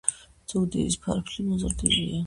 ზურგის ფარფლი მოზრდილია.